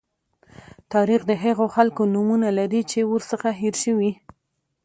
تاریخ د هغو خلکو نومونه لري چې ورڅخه هېر شوي.